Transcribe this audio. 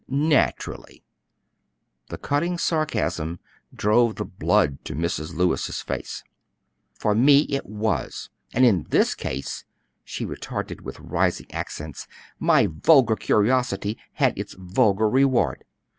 "Naturally." The cutting sarcasm drove the blood to Mrs. Lewis's face. "For me it was; and in this case," she retorted with rising accents, "my vulgar curiosity had its vulgar reward.